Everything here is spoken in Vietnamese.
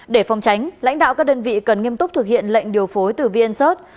để phòng tránh lãnh đạo các đơn vị cần nghiêm túc thực hiện lệnh điều phối từ vncert